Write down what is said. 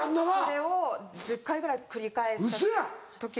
それを１０回ぐらい繰り返した時が。